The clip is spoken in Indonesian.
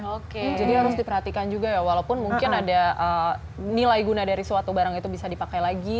oke jadi harus diperhatikan juga ya walaupun mungkin ada nilai guna dari suatu barang itu bisa dipakai lagi